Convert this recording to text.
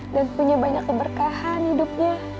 dan punya banyak keberkahan hidupnya